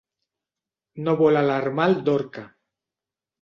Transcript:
No vol alarmar el Dorca.